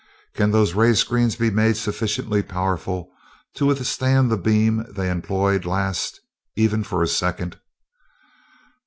Can those ray screens be made sufficiently powerful to withstand the beam they employed last, even for a second?"